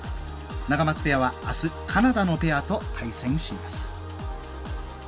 ナガマツペアはあすカナダのペアと対戦します。